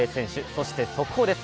そして速報です。